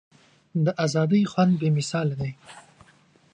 د ازادۍ خوند بې مثاله دی.